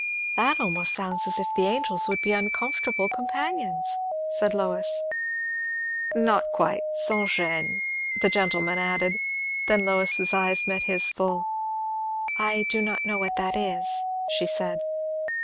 "That almost sounds as if the angels would be uncomfortable companions," said Lois. "Not quite sans gêne" the gentleman added, Then Lois's eyes met his full. "I do not know what that is," she said.